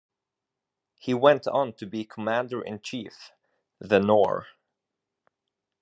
He went on to be Commander-in-Chief, The Nore.